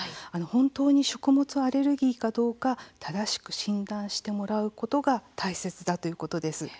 「本当に食物アレルギーかどうか正しく診断してもらうことが大切だ」ということです。